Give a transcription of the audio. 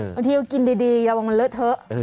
บางทีก็กินดีอย่าว่ามันเลอะเทอะ